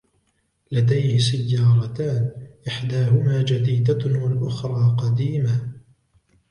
لديه سياراتان ، إحداهما جديدة و الأخرى قديمة.